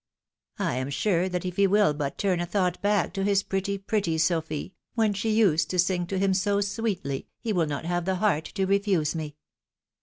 I am sure that if he will but turn a thought back to his pretty, pretty Sophy, when she used to sing to him so sweetly, he will not have the heart to refuse me.